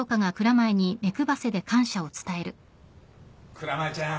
蔵前ちゃん